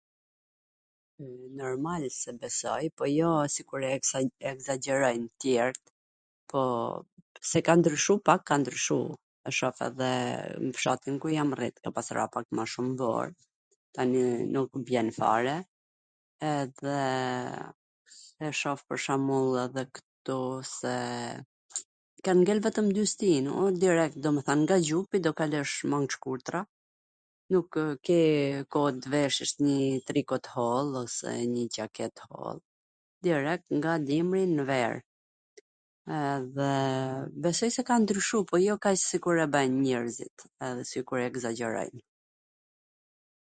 Normale se e besoj, por jo sa e ekzagjerojn tjerwt, po, se ka ndryshu pak ka ndryshu, e shof edhe nw fshatin ku jam rrit, ka pas ra pak ma shum bor, tani nuk bjen fare, edhe e shof pwr shwmbull edhe ktu se kan ngel vetwm dy stin, domethwn nga xhupi do kalosh nw mwng t shkurtra, nukw ke koh t veshwsh nji triko t holl ose nji xhaket t holl, direkt nga dimri nw ver. edhe besoj se ka ndryshu, po jo kaq sikur e bwjn njerzit, edhe sikur e ekzagjerojn.